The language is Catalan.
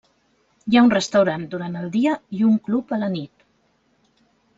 Hi ha un restaurant durant el dia i un club a la nit.